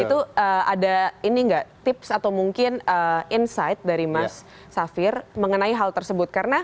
itu ada ini nggak tips atau mungkin insight dari mas safir mengenai hal tersebut